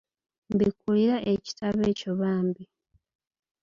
Mbikkulira ekitabo ekyo bambi.